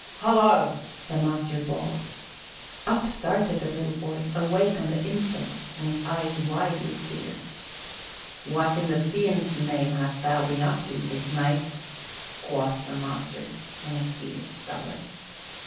"Hollo!" the master bawled. Up started the little boy, awake on the instant and his eyes wide with fear. "What in the fiend's name hast thou been up to, this night?" quoth the master in a fierce bellow.